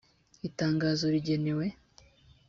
itangazo rigenewe